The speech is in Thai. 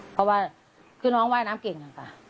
เพราะว่าคือน้องไว้น้ำเก่งน่ะครับ